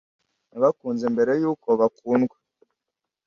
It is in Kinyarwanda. Nabakunze mbere yuko bakundwa.